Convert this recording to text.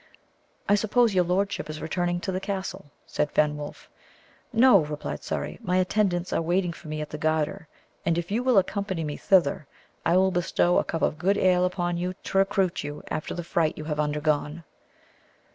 "I suppose your lordship is returning to the castle?" said Fenwolf. "No," replied Surrey. "My attendants are waiting for me at the Garter, and if you will accompany me thither, I will bestow a cup of good ale upon you to recruit you after the fright you have undergone."